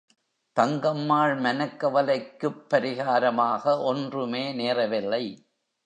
தங்கம்மாள் மனக் கவலைக்குப் பரிகாரமாக ஒன்றுமே நேரவில்லை.